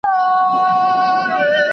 اسي پوهېږي، خپل ئې دوږخ.